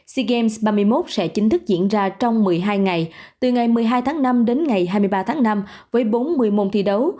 sea games ba mươi một sẽ chính thức diễn ra trong một mươi hai ngày từ ngày một mươi hai tháng năm đến ngày hai mươi ba tháng năm với bốn mươi môn thi đấu